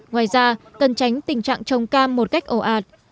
ngoài ra cần tránh tình trạng trồng cam một cách ồ ạt